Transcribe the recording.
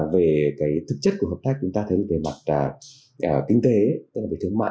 về thực chất của hợp tác chúng ta thấy về mặt kinh tế tức là về thương mại